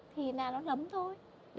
thì là nó lấm thôi